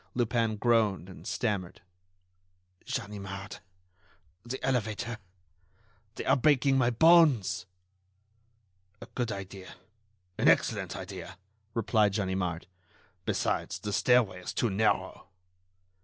Lupin groaned and stammered: "Ganimard ... the elevator ... they are breaking my bones." "A good idea, an excellent idea," replied Ganimard. "Besides, the stairway is too narrow."